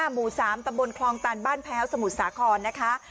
หมู่๓ตำบลคลองตันบ้านแพ้วสมุทรสาครนะคะ